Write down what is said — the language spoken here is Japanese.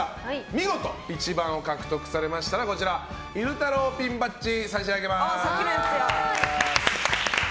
見事１番を獲得されましたら昼太郎ピンバッジ差し上げます。